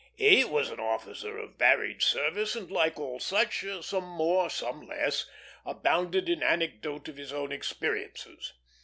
He was an officer of varied service, and like all such, some more, some less, abounded in anecdote of his own experiences.